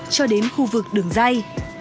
cho đến khu vực đường dây